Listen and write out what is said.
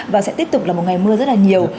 và sẽ tiếp tục là một ngày mưa rất là nhiều